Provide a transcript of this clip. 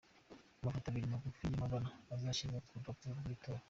Amafoto abiri magufi y’amabara azashyirwa ku rupapuro rw’itora.